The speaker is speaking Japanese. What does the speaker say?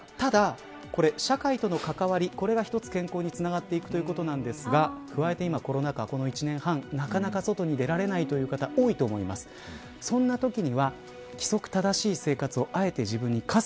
ただ、社会との関わりが一つ健康につながっていくということですが加えて、コロナ禍この１年半なかなか外に出られない方が多いと思います。